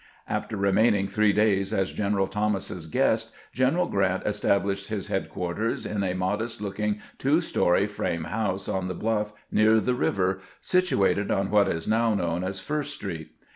After remaining three days as G eneral Thomas's guest. General Grant established his headquarters in a modest looking two story frame house on the bluff near the river, situated on what is now known as First street.